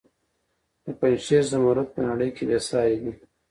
د پنجشیر زمرد په نړۍ کې بې ساري دي